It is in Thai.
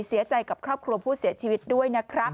เสียใจกับครอบครัวผู้เสียชีวิตด้วยนะครับ